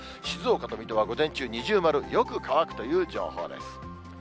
静岡と水戸は午前中、二重丸、よく乾くという情報です。